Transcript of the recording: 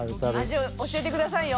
味教えてくださいよ。